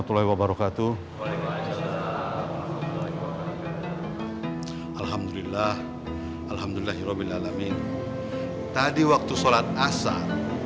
terutama kepada haji sulam abah